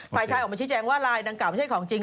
ฝ่ายชายออกมาชี้แจงว่าลายดังกล่าไม่ใช่ของจริง